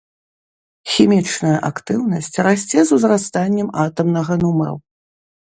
Хімічная актыўнасць расце з узрастаннем атамнага нумару.